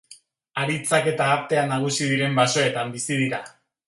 Haritzak eta artea nagusi diren basoetan bizi dira.